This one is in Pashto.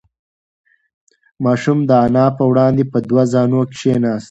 ماشوم د انا په وړاندې په دوه زانو کښېناست.